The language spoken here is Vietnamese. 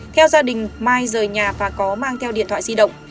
theo gia đình mai rời nhà và có mang theo điện thoại di động